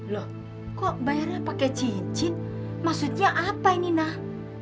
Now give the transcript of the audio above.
loh kok bayarnya pakai cincin maksudnya apa ini nah